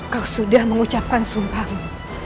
kau sudah mengucapkan sumpahmu